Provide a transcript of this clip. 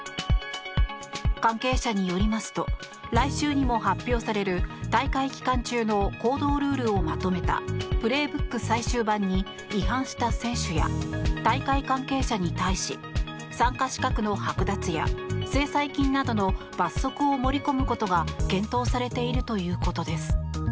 関係者によりますと来週にも発表される大会期間中の行動ルールをまとめた「プレーブック」最終版に違反した選手や大会関係者に対し参加資格のはく奪や制裁金などの罰則を盛り込むことが検討されているということです。